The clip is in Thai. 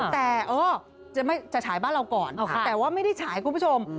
แต่จะฉายบ้านเราก่อนแต่ว่าไม่ได้ฉายคุณผู้ชม